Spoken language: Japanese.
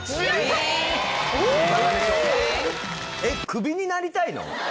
えっクビになりたいの？